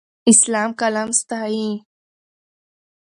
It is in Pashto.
اسلام قلم ستایي.